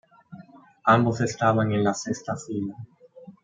Ambos estaban en la sexta fila.